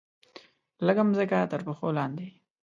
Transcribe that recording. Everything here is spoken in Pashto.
لږه مځکه ترپښو لاندې